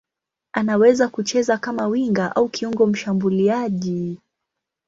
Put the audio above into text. Anaweza kucheza kama winga au kiungo mshambuliaji.